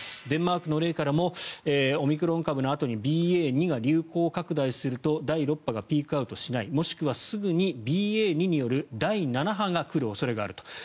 デンマークの例からもオミクロン株のあとにＢＡ．２が流行拡大すると第６波がピークアウトしないもしくはすぐにＢＡ．２による第７波が来る可能性があると。